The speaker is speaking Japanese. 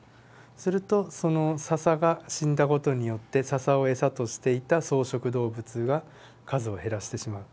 するとそのササが死んだ事によってササを餌としていた草食動物が数を減らしてしまう。